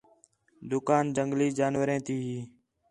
دُکان جنگلی جانوریں تی ہی